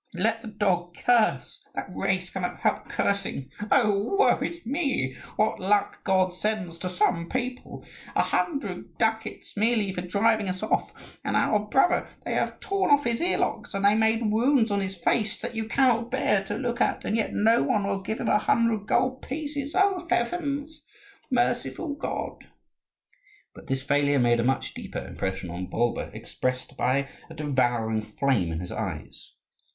Let the dog curse. That race cannot help cursing. Oh, woe is me, what luck God sends to some people! A hundred ducats merely for driving us off! And our brother: they have torn off his ear locks, and they made wounds on his face that you cannot bear to look at, and yet no one will give him a hundred gold pieces. O heavens! Merciful God!" But this failure made a much deeper impression on Bulba, expressed by a devouring flame in his eyes.